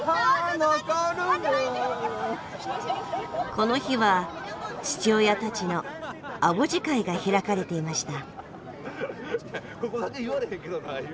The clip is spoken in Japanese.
この日は父親たちの「アボジ会」が開かれていました。